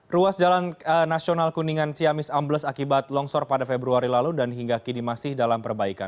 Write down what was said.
ruas jalan nasional kuningan ciamis ambles akibat longsor pada februari lalu dan hingga kini masih dalam perbaikan